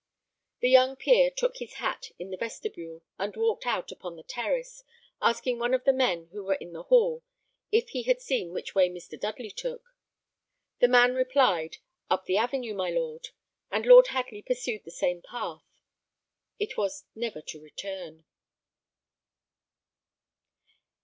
The young peer took his hat in the vestibule, and walked out upon the terrace, asking one of the men who were in the hall if he had seen which way Mr. Dudley took. The man replied, "Up the avenue, my lord;" and Lord Hadley pursued the same path. It was never to return.